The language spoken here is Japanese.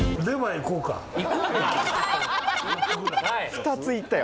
２ついったよ